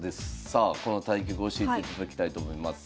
さあこの対局教えていただきたいと思います。